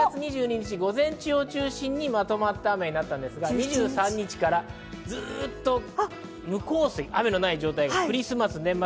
１２月２２日、午前中を中心にまとまった雨になったんですが、２３日からずっと無降水、雨のない状態です。